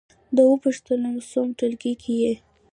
ده وپوښتلم: څووم ټولګي کې یې؟